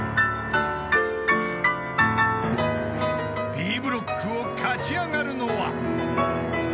［Ｂブロックを勝ちあがるのは］